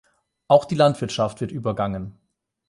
Auch die Landwirtschaft wird übergangen.